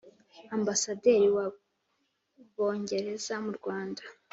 Ambasaderi wa bongereza mu Rwanda